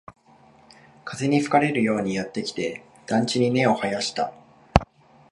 風に吹かれるようにやってきて、団地に根を生やした